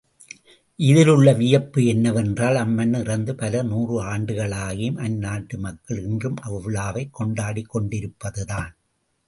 இதிலுள்ள வியப்பு என்னவென்றால், அம்மன்னன் இறந்து பல நூறு ஆண்டுகளாகியும், அந்நாட்டு மக்கள் இன்றும் அவ்விழாவைக் கொண்டாடிக் கொண்டிருப்பதுதான்.